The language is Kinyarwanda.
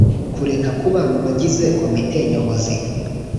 Kureka kuba mu bagize Komite Nyobozi